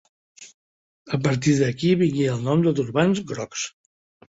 A partir d'aquí vingué el nom de Turbants Grocs.